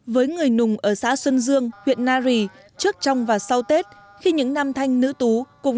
với người nùng ở xã xuân dương huyện nari trước trong và sau tết khi những nam thanh nữ tú cùng